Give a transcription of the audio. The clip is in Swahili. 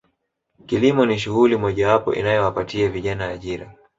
Kilimo ni shughuli mojawapo inayowapatia vijana ajira